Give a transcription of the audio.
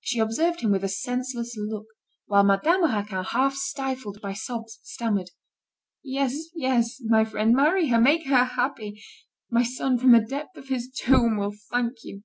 She observed him with a senseless look, while Madame Raquin, half stifled by sobs, stammered: "Yes, yes, my friend, marry her, make her happy; my son, from the depth of his tomb, will thank you."